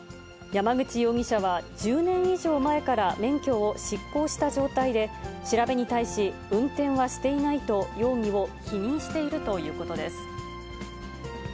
山口容疑者は１０年以上前から免許を失効した状態で、調べに対し、運転はしていないと容疑を否認しているということです。